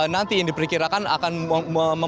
nanti yang diperkirakan akan